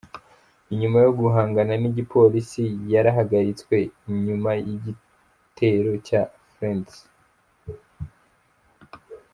Inyuma yo guhangana n'igipolisi yarahagaritswe inyuma y'igituro ca Flinders.